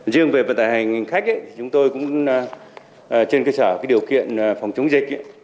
riêng về vận tải hàng hành khách thì chúng tôi cũng trên cơ sở điều kiện phòng chống dịch